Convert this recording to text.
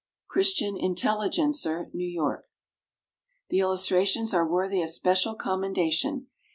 Christian Intelligencer, N. Y. The illustrations are worthy of special commendation.